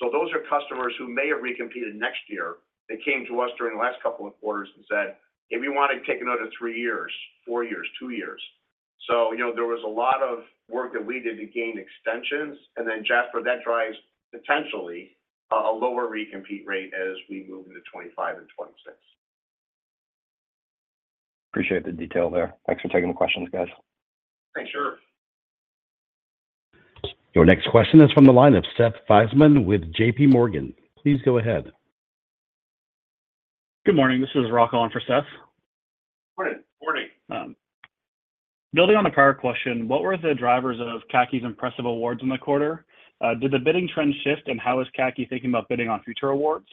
So those are customers who may have recompeted next year. They came to us during the last couple of quarters and said, "Hey, we want to take another three years, four years, two years." So there was a lot of work that we did to gain extensions. And then, Jasper, that drives potentially a lower recompete rate as we move into 2025 and 2026. Appreciate the detail there. Thanks for taking the questions, guys. Thanks. Sure. Your next question is from the line of Seth Seifman with J.P. Morgan. Please go ahead. Good morning. This is Rocco on for Seth. Morning. Building on the prior question, what were the drivers of CACI's impressive awards in the quarter? Did the bidding trend shift, and how is CACI thinking about bidding on future awards?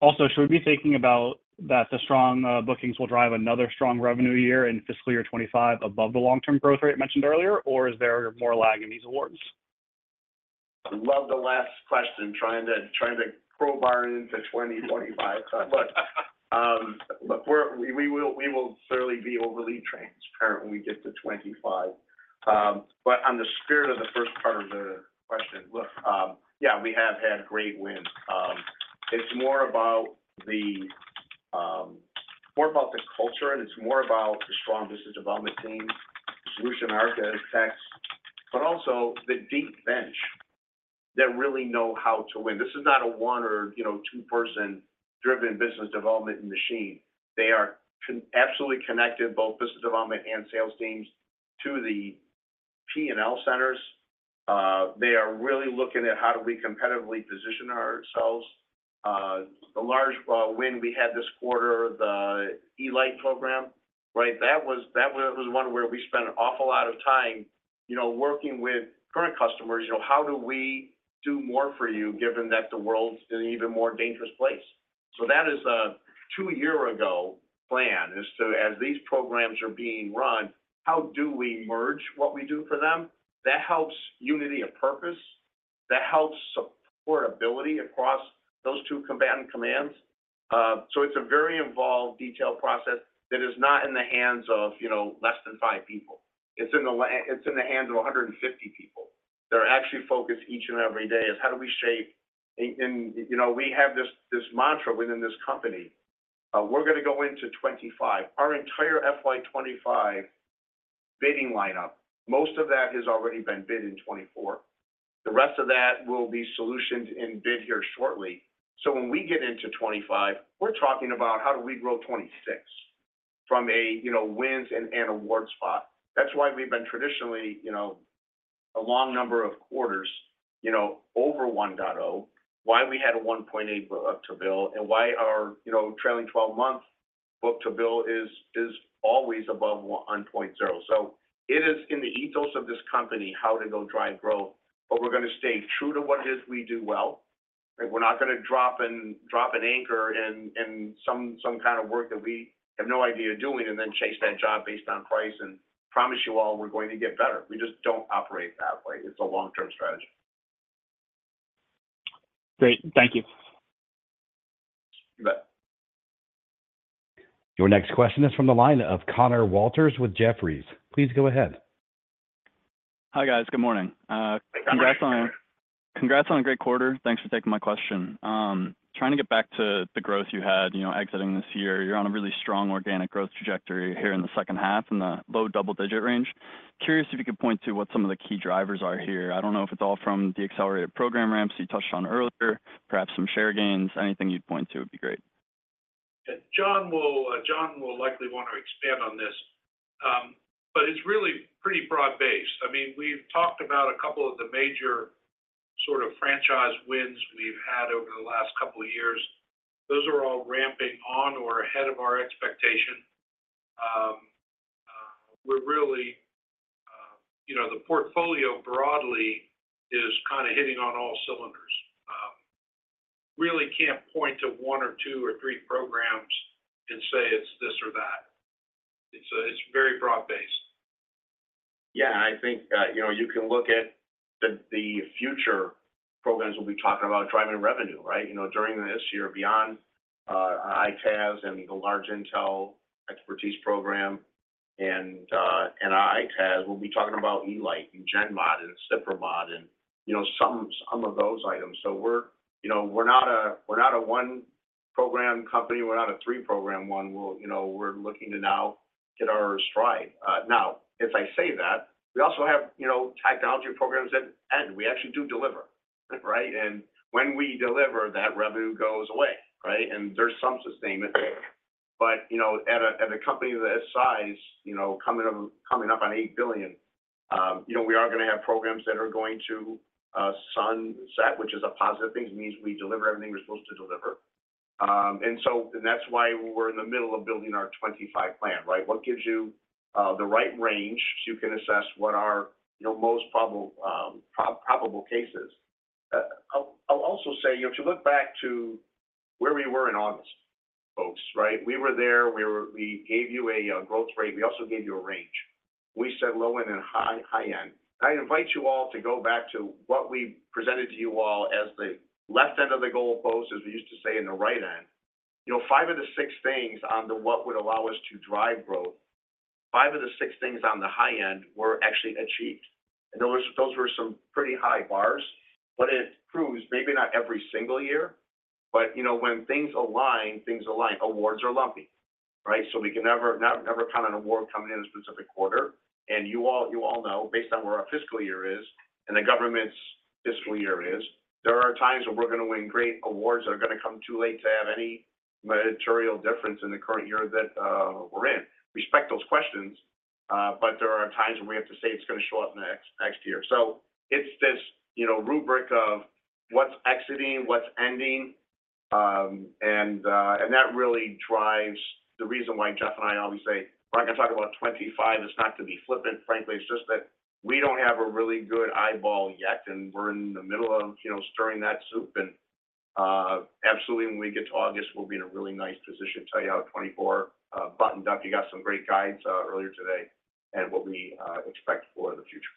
Also, should we be thinking about that the strong bookings will drive another strong revenue year in fiscal year 2025 above the long-term growth rate mentioned earlier, or is there more lag in these awards? I love the last question, trying to crowbar into 2025. Look, we will certainly be overly transparent when we get to 2025. But on the spirit of the first part of the question, look, yeah, we have had great wins. It's more about the culture, and it's more about the strong business development team, solution architects, but also the deep bench that really know how to win. This is not a one- or two-person-driven business development machine. They are absolutely connected, both business development and sales teams, to the P&L centers. They are really looking at, "How do we competitively position ourselves?" The large win we had this quarter, the E-LITE program, right, that was one where we spent an awful lot of time working with current customers, "How do we do more for you given that the world's an even more dangerous place?" So that is a 2-year-ago plan as to, as these programs are being run, "How do we merge what we do for them?" That helps unity of purpose. That helps support ability across those two combatant commands. So it's a very involved, detailed process that is not in the hands of less than 5 people. It's in the hands of 150 people that are actually focused each and every day is, "How do we shape?" And we have this mantra within this company, "We're going to go into 2025." Our entire FY25 bidding lineup, most of that has already been bid in 2024. The rest of that will be solutioned in bid here shortly. So when we get into 2025, we're talking about, "How do we grow 2026 from a wins and award spot?" That's why we've been traditionally, a long number of quarters, over 1.0, why we had a 1.8 book-to-bill, and why our trailing 12-month book-to-bill is always above 1.0. So it is in the ethos of this company how to go drive growth, but we're going to stay true to what it is we do well, right? We're not going to drop an anchor in some kind of work that we have no idea doing and then chase that job based on price and promise you all we're going to get better. We just don't operate that way. It's a long-term strategy. Great. Thank you. You bet. Your next question is from the line of Conor Walters with Jefferies. Please go ahead. Hi, guys. Good morning. Congrats on a great quarter. Thanks for taking my question. Trying to get back to the growth you had exiting this year. You're on a really strong organic growth trajectory here in the second half in the low double-digit range. Curious if you could point to what some of the key drivers are here. I don't know if it's all from the accelerated program ramps you touched on earlier, perhaps some share gains. Anything you'd point to would be great. John will likely want to expand on this, but it's really pretty broad-based. I mean, we've talked about a couple of the major sort of franchise wins we've had over the last couple of years. Those are all ramping on or ahead of our expectation. We're really the portfolio broadly is kind of hitting on all cylinders. Really can't point to one or two or three programs and say it's this or that. It's very broad-based. Yeah. I think you can look at the future programs we'll be talking about driving revenue, right? During this year, beyond EITaaS and the large intel expertise program and EITaaS, we'll be talking about E-LITE and GENMOD and SIPRMOD and some of those items. So we're not a one-program company. We're not a three-program one. We're looking to now get our stride. Now, as I say that, we also have technology programs that end. We actually do deliver, right? And when we deliver, that revenue goes away, right? And there's some sustainment. But at a company this size, coming up on $8 billion, we are going to have programs that are going to sunset, which is a positive thing. It means we deliver everything we're supposed to deliver. And that's why we're in the middle of building our 2025 plan, right? What gives you the right range so you can assess what are most probable cases? I'll also say, if you look back to where we were in August, folks, right? We were there. We gave you a growth rate. We also gave you a range. We said low end and high end. I invite you all to go back to what we presented to you all as the left end of the goal post, as we used to say, and the right end. Five of the six things on the what would allow us to drive growth, five of the six things on the high end were actually achieved. And those were some pretty high bars. What it proves, maybe not every single year, but when things align, things align. Awards are lumpy, right? So we can never count on an award coming in a specific quarter. And you all know, based on where our fiscal year is and the government's fiscal year is, there are times when we're going to win great awards that are going to come too late to have any material difference in the current year that we're in. Respect those questions, but there are times when we have to say it's going to show up next year. So it's this rubric of what's exiting, what's ending. And that really drives the reason why Jeff and I always say, "We're not going to talk about 2025. It's not going to be flippant, frankly." It's just that we don't have a really good eyeball yet, and we're in the middle of stirring that soup. And absolutely, when we get to August, we'll be in a really nice position to tell you how 2024 buttoned up. You got some great guidance earlier today and what we expect for the future.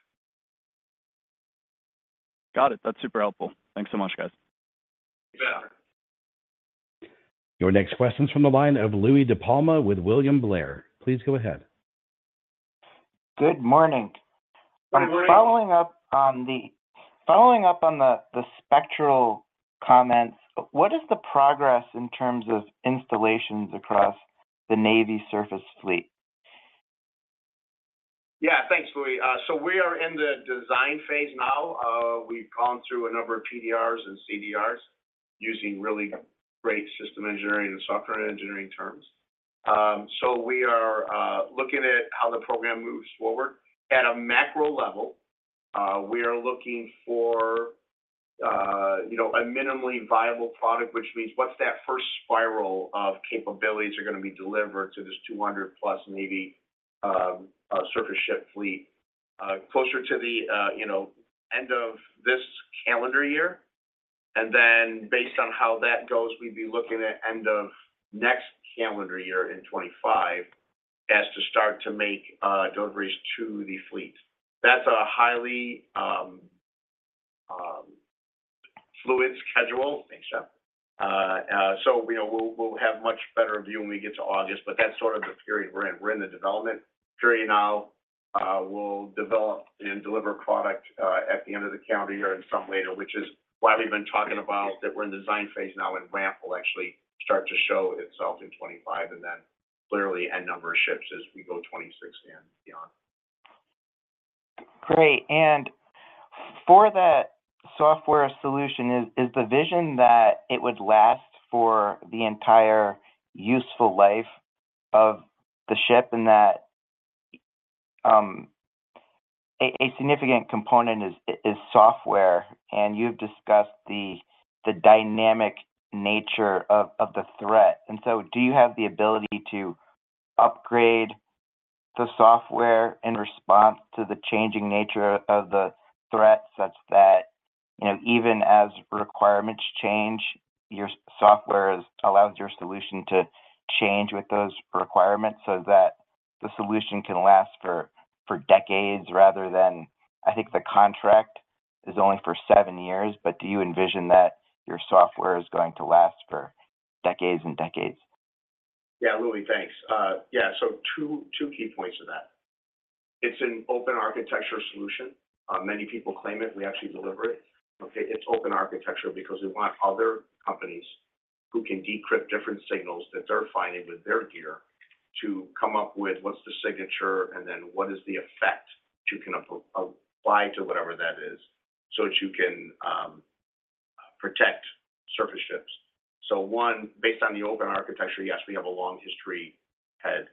Got it. That's super helpful. Thanks so much, guys. You bet. Your next question's from the line of Louie DiPalma with William Blair. Please go ahead. Good morning. Good morning, Louie. Following up on the Spectral comments, what is the progress in terms of installations across the Navy surface fleet? Yeah. Thanks, Louie. So we are in the design phase now. We've gone through a number of PDRs and CDRs using really great system engineering and software engineering terms. So we are looking at how the program moves forward. At a macro level, we are looking for a minimally viable product, which means what's that first spiral of capabilities that are going to be delivered to this 200+ Navy surface ship fleet closer to the end of this calendar year? And then based on how that goes, we'd be looking at end of next calendar year in 2025 as to start to make deliveries to the fleet. That's a highly fluid schedule. Thanks, Jeff. So we'll have much better view when we get to August, but that's sort of the period we're in. We're in the development period now. We'll develop and deliver product at the end of the calendar year in some way or another, which is why we've been talking about that we're in design phase now, and ramp will actually start to show itself in 2025 and then clearly on a number of ships as we go 2026 and beyond. Great. And for that software solution, is the vision that it would last for the entire useful life of the ship and that a significant component is software, and you've discussed the dynamic nature of the threat? And so do you have the ability to upgrade the software in response to the changing nature of the threat such that even as requirements change, your software allows your solution to change with those requirements so that the solution can last for decades rather than I think the contract is only for seven years, but do you envision that your software is going to last for decades and decades? Yeah, Louis, thanks. Yeah. So two key points to that. It's an open architecture solution. Many people claim it. We actually deliver it. Okay? It's open architecture because we want other companies who can decrypt different signals that they're finding with their gear to come up with what's the signature and then what is the effect you can apply to whatever that is so that you can protect surface ships. So one, based on the open architecture, yes, we have a long history ahead.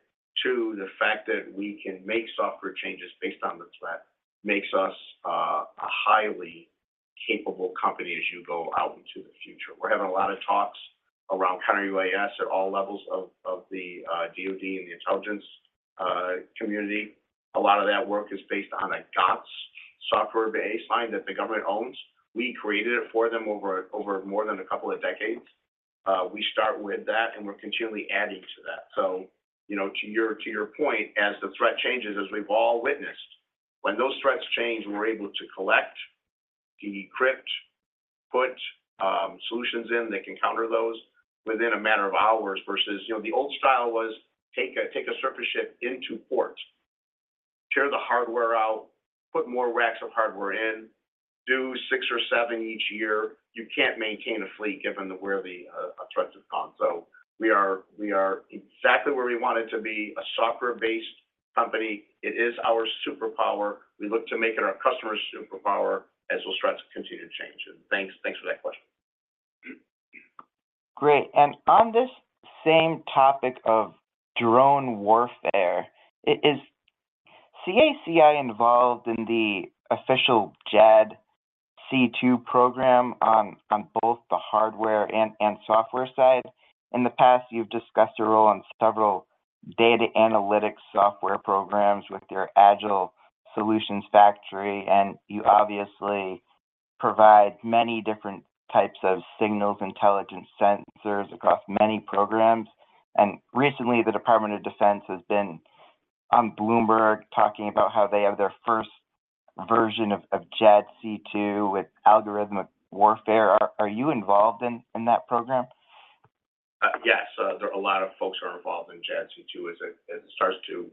Two, the fact that we can make software changes based on the threat makes us a highly capable company as you go out into the future. We're having a lot of talks around Counter-UAS at all levels of the DoD and the intelligence community. A lot of that work is based on a GOTS software baseline that the government owns. We created it for them over more than a couple of decades. We start with that, and we're continually adding to that. So to your point, as the threat changes, as we've all witnessed, when those threats change, we're able to collect, decrypt, put solutions in that can counter those within a matter of hours versus the old style was take a surface ship into port, tear the hardware out, put more racks of hardware in, do six or seven each year. You can't maintain a fleet given where the threats have gone. So we are exactly where we wanted to be, a software-based company. It is our superpower. We look to make it our customer's superpower as those threats continue to change. And thanks for that question. Great. On this same topic of drone warfare, is CACI involved in the official JADC2 program on both the hardware and software side? In the past, you've discussed your role in several data analytics software programs with your Agile Solution Factory, and you obviously provide many different types of signals intelligence sensors across many programs. Recently, the Department of Defense has been on Bloomberg talking about how they have their first version of JADC2 with algorithmic warfare. Are you involved in that program? Yes. A lot of folks are involved in JADC2 as it starts to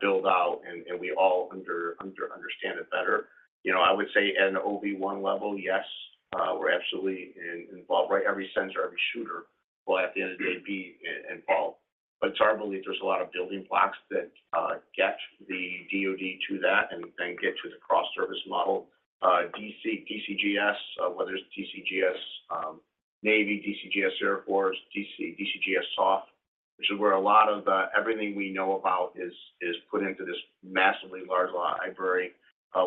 build out, and we all understand it better. I would say at an OV-1 level, yes, we're absolutely involved. Every sensor, every shooter will, at the end of the day, be involved. But it's our belief there's a lot of building blocks that get the DoD to that and then get to the cross-service model. DCGS, whether it's DCGS Navy, DCGS Air Force, DCGS SOF, which is where a lot of everything we know about is put into this massively large library.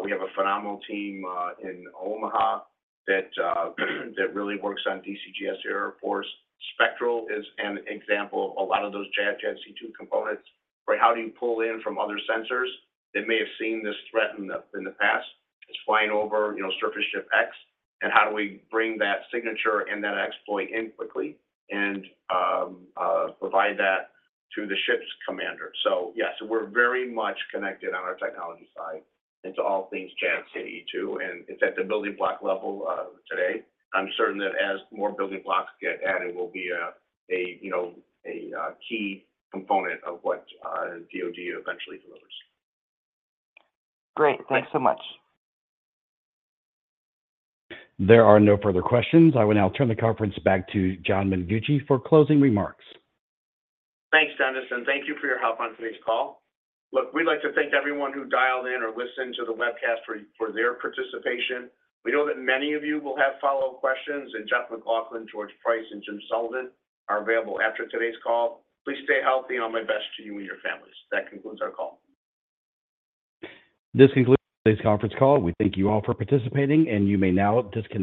We have a phenomenal team in Omaha that really works on DCGS Air Force. Spectral is an example of a lot of those JADC2 components, right? How do you pull in from other sensors that may have seen this threat in the past? It's flying over surface ship X. How do we bring that signature and that exploit in quickly and provide that to the ship's commander? So yeah, so we're very much connected on our technology side into all things JADC2. It's at the building block level today. I'm certain that as more building blocks get added, it will be a key component of what DoD eventually delivers. Great. Thanks so much. There are no further questions. I will now turn the conference back to John Mengucci for closing remarks. Thanks, Dennis. Thank you for your help on today's call. Look, we'd like to thank everyone who dialed in or listened to the webcast for their participation. We know that many of you will have follow-up questions, and Jeff MacLauchlan, George Price, and Jim Sullivan are available after today's call. Please stay healthy. I'll make my best for you and your families. That concludes our call. This concludes today's conference call. We thank you all for participating, and you may now disconnect.